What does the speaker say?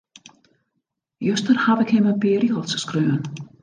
Juster haw ik him in pear rigels skreaun.